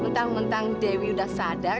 mentang mentang dewi udah sadar